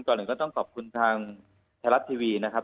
ก่อนหนึ่งก็ต้องขอบคุณทางแทรฟทีวีนะครับ